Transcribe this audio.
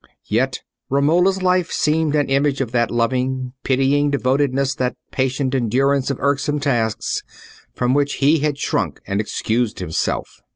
Yet Romola's life seemed an image of that loving, pitying devotedness, that patient endurance of irksome tasks, from which he had shrunk and excused himself.